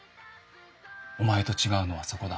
お前と違うのはそこだ。